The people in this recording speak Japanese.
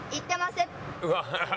うわ。